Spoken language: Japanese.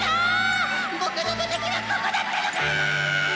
僕のモテ期はここだったのか！